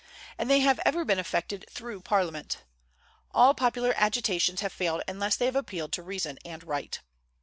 And they have ever been effected through Parliament. All popular agitations have failed unless they have appealed to reason and right.